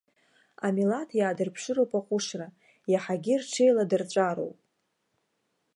Амилаҭ иаадырԥшыроуп аҟәышра, иаҳагьы рҽеиладырҵәароуп.